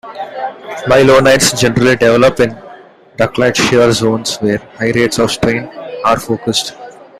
Mylonites generally develop in ductile shear zones where high rates of strain are focused.